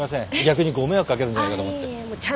逆にご迷惑掛けるんじゃないかと思って。